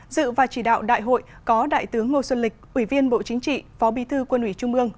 dự và chỉ đạo đại hội có đại tướng ngô xuân lịch ủy viên bộ chính trị phó bí thư quân ủy trung ương